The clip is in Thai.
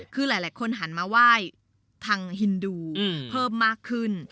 คือหลายคนหันมาไหว้ทางฮินดูเพิ่มมากขึ้น